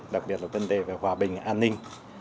đặc biệt là vấn đề về hòa bình an ninh